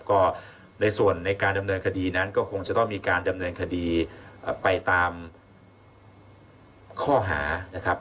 ก็ในส่วนในการดำเนินคดีนั้นก็คงจะต้องมีการดำเนินคดีไปตามข้อหานะครับ